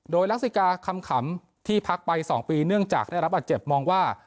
โดยลักษิกาคำขำที่พักไป๒ปีเนื่องจากได้รับบาดเจ็บมองว่า